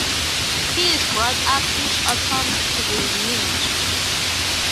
He is brought up each autumn to be renewed.